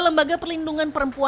saya tetap berdoa